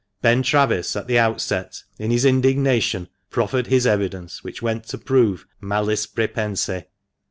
Ben Travis, at the outset, in his indignation, proffered his evidence, which went to prove malice prepense.